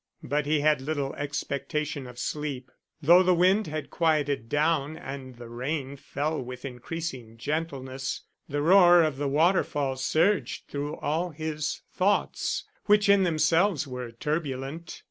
But he had little expectation of sleep. Though the wind had quieted down and the rain fell with increasing gentleness, the roar of the waterfall surged through all his thoughts, which in themselves were turbulent.